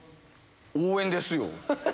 応援ですよ。